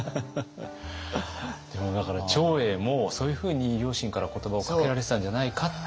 でもだから長英もそういうふうに両親から言葉をかけられてたんじゃないかっていう。